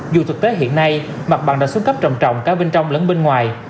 dù thực tế hiện nay mặt bằng đã xuống cấp trồng trọng cả bên trong lẫn bên ngoài